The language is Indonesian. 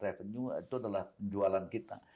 revenue itu adalah penjualan kita